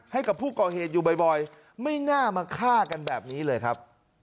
ให้กับผู้ก่อเหตุอยู่บ่อยไม่น่ามาฆ่ากันแบบนี้เลยครับ